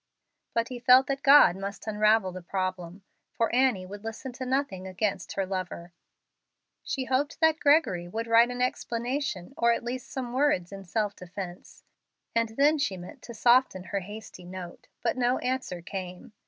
But he felt that God must unravel the problem, for Annie would listen to nothing against her lover. She hoped that Gregory would write an explanation, or at least some words in self defence, and then she meant to soften her hasty note, but no answer came.